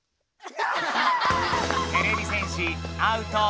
てれび戦士アウト。